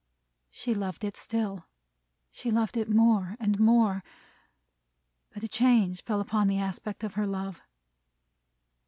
She loved it still. She loved it more and more. But a change fell on the aspect of her love.